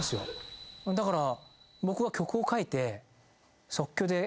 だから。